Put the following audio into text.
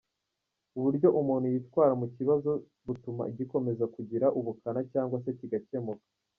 Uburyo umuntu yitwara mu kibazo butuma gikomeza kugira ubukana cyangwa se kigakemuka.